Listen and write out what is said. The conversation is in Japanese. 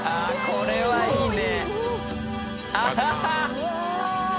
これはいいね！